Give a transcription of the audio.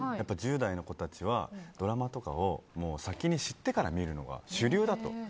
１０代の子たちはドラマとかを先に知ってから見るのが主流だと。